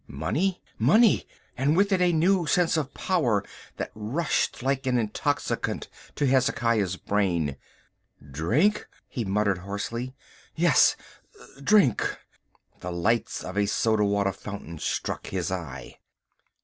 Money! money! and with it a new sense of power that rushed like an intoxicant to Hezekiah's brain. "Drink," he muttered hoarsely, "yes, drink." The lights of a soda water fountain struck his eye.